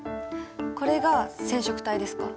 これが染色体ですか？